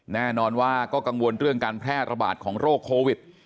แน่นอนว่าก็กังวลเรื่องการแพร่ระบาดของโรคโควิด